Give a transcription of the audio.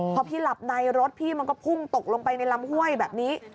พอพี่หลับในรถพี่มันก็พุ่งตกลงไปในลำห้วยแบบนี้